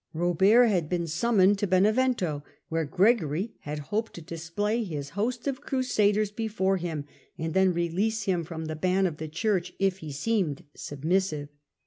Robert had been summoned to Benevento, where Gregory had hoped to display his host of crusaders be fore him, and then release him from the ban of the Church if he seemed submissive.